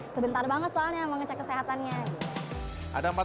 sebentar banget soalnya mengecek kesehatannya